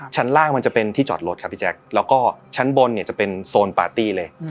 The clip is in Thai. ชั้นล่างมันจะเป็นที่จอดรถครับพี่แจ๊คแล้วก็ชั้นบนเนี่ยจะเป็นโซนปาร์ตี้เลย